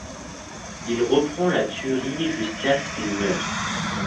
Il reprend la tuerie jusqu’à ce qu'il meurt.